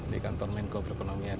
di kantor menko prekonomian